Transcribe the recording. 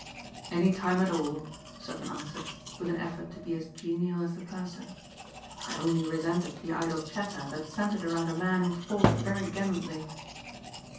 "Any time at all," Sutton answered with an effort to be as genial as the purser. "I only resented the idle chatter that centred around a man who fought very gallantly."